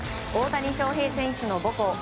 大谷翔平選手の母校